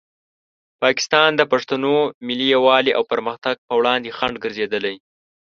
پاکستان د پښتنو ملي یووالي او پرمختګ په وړاندې خنډ ګرځېدلی.